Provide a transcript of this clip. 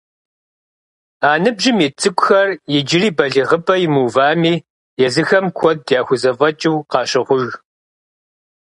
А ныбжьым ит цӏыкӏухэр иджыри балигъыпӏэ имыувами, езыхэм куэд яхыззфӏэкӏыу къащохъуж.